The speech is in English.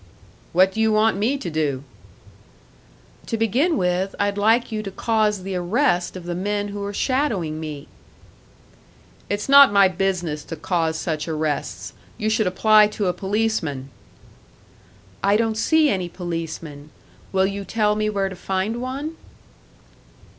"What do you want me to do?" "To begin with, I'd like you to cause the arrest of the men who are shadowing me." "It's not my business to cause such arrests. You should apply to a policeman." "I don't see any policeman. Will you tell me where to find one?"